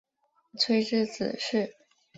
傕之子式。